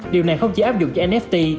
điều này không chỉ áp dụng cho nft